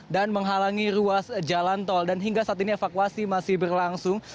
dan menghalangi ruas jalan tol dan hingga saat ini evakuasi masih berlangsung